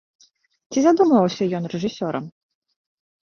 Ці задумваўся ён рэжысёрам?